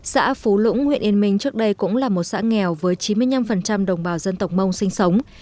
xã phú lũng huyện yên minh trước đây cũng là một xã nghèo với chín mươi năm đồng bào dân tộc mông sinh sống